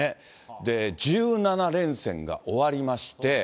１７連戦が終わりまして。